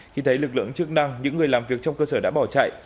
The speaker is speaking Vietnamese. khi thấy lực lượng chức năng những người làm việc trong cơ sở đã bỏ chạy